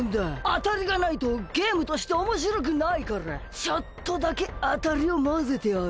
あたりがないとゲームとしておもしろくないからちょっとだけあたりをまぜてある。